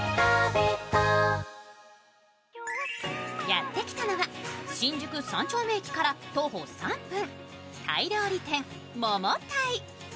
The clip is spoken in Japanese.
やってきたのは新宿三丁目駅から徒歩３分、タイ料理店・モモタイ。